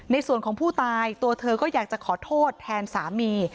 ในส่วนของผู้ตายตัวเธอก็อยากจะขอโทษแทนสามี